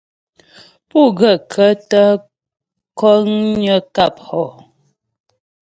Pú gaə̂kə́ tə kə̀ŋgnə̀ ŋkâp hɔ ?